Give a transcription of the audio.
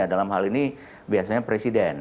dalam hal ini biasanya presiden